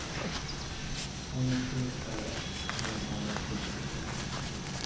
Aynan shu nuqtada muammolar koʻp.